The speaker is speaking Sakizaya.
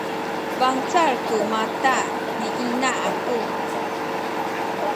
bangcal ku mata ni ina aku